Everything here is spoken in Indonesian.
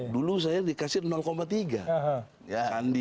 dulu saya dikasih tiga